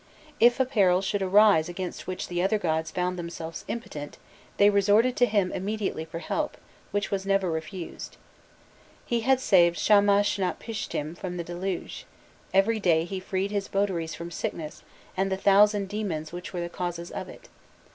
If a peril should arise against which the other gods found themselves impotent, they resorted to him immediately for help, which was never refused. He had saved Shamashnapishtirn from the Deluge; every day he freed his votaries from sickness and the thousand demons which were the causes of it.